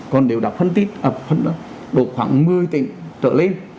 còn nếu đã phân tích đổ khoảng một mươi tỉnh trở lên